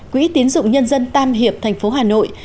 quỹ tiến dụng nhân dân tam hiệp tp hà nội